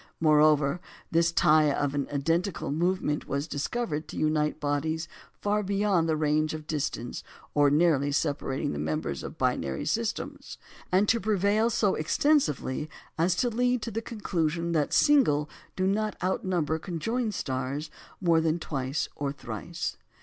Moreover, this tie of an identical movement was discovered to unite bodies far beyond the range of distance ordinarily separating the members of binary systems, and to prevail so extensively as to lead to the conclusion that single do not outnumber conjoined stars more than twice or thrice.